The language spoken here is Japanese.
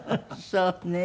そうね。